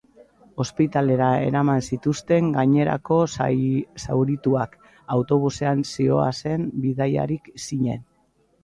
Ospitalera eraman zituzten gainerako zaurituak autobusean zihoazen bidaiariak ziren.